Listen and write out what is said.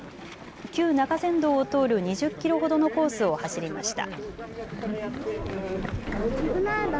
旧中山道を通る２０キロほどのコースを走りました。